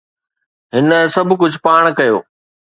هن سڀ ڪجهه پاڻ ڪيو